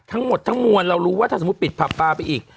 ทั้งหมดทั้งมวลเรารู้ว่าถ้าสมมุติปิดผับปลาไปอีก